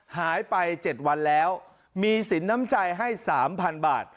หายไปเจ็ดวันแล้วมีศีลน้ำใจให้สามพันบาท